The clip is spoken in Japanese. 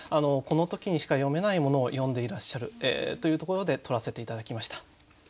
この時にしか詠めないものを詠んでいらっしゃるというところで取らせて頂きました。